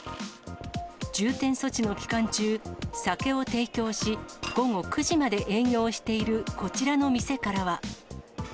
重点措置の期間中、酒を提供し、午後９時まで営業しているこちらの店からは。